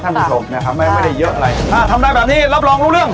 คุณผู้ชมนะครับไม่ไม่ได้เยอะอะไรอ่าทำได้แบบนี้รับรองรู้เรื่อง